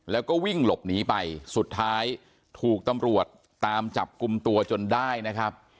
แล้วก็วิ่งหลบหนีไปสุดท้ายถูกตำรวจตามจับกลุ่มตัวจนได้นะครับ